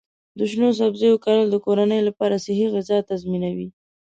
د شنو سبزیو کرل د کورنۍ لپاره صحي غذا تضمینوي.